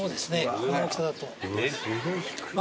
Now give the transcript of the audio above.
この大きさだと。